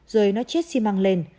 rồi nó chết xi măng lên